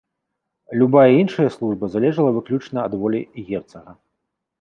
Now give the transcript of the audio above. Любая іншая служба залежала выключна ад волі герцага.